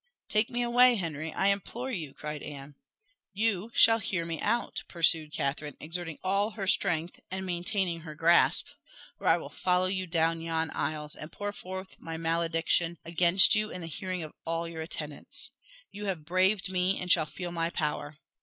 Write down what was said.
"Take me away, Henry, I implore you!" cried Anne. "You shall hear me out," pursued Catherine, exerting all her strength, and maintaining her grasp, "or I will follow you down yon aisles, and pour forth my malediction against you in the hearing of all your attendants. You have braved me, and shall feel my power.